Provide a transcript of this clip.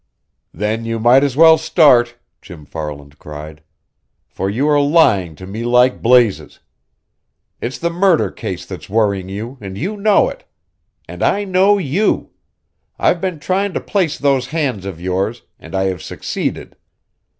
"Then you might as well start!" Jim Farland cried. "For you are lying to me like blazes! It's the murder case that's worrying you, and you know it! And I know you! I've been trying to place those hands of yours and I have succeeded.